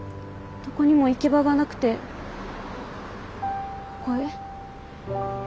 どこにも行き場がなくてここへ？